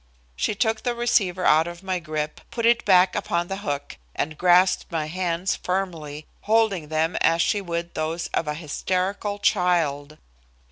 She took the receiver out of my grip, put it back upon the hook, and grasped my hands firmly, holding them as she would those of a hysterical child.